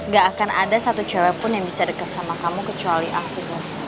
gak akan ada satu cewek pun yang bisa dekat sama kamu kecuali aku